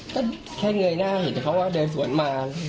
ก็แค่เงยหน้าเห็นแต่เขาว่าเดินสวนมา